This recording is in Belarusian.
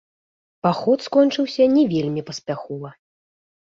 Паход скончыўся не вельмі паспяхова.